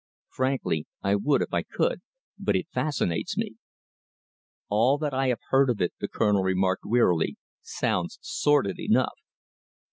"Frankly, I would if I could, but it fascinates me." "All that I have heard of it," the Colonel remarked wearily, "sounds sordid enough."